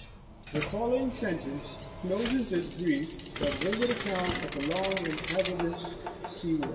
The following sentence closes this brief but vivid ac count of a long and hazardous sea voyage.